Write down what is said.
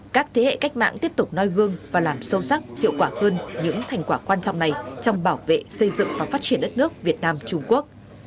các thế hệ cách mạng tiếp tục noi gương và làm sâu sắc hiệu quả hơn những thành quả quan trọng này trong bảo vệ xây dựng và phát triển đất nước việt nam trung quốc